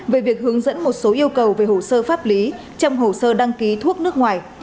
về việc hướng dẫn một số yêu cầu về hồ sơ pháp lý trong hồ sơ đăng ký thuốc nước ngoài